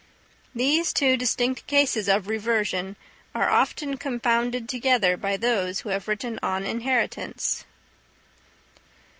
These two distinct cases of reversion are often confounded together by those who have written on inheritance.